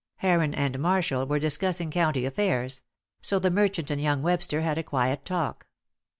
Heron and Marshall were discussing county affairs; so the merchant and young Webster had a quiet talk.